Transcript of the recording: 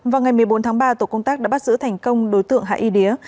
vào ngày một mươi bốn tháng ba tổ công tác đã bắt giữ thành công đối tượng hạ y đía